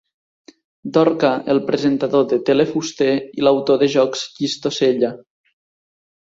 Dorca, el presentador de tele Fuster i l'autor de jocs Llistosella.